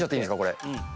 これ。